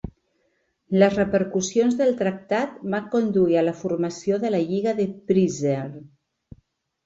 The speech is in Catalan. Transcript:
Les repercussions del tractat van conduir a la formació de la Lliga de Prizren.